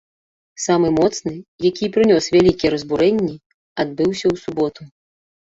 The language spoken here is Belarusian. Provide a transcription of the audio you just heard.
Самы моцны, які і прынёс вялікія разбурэнні, адбыўся ў суботу.